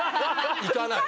行かない。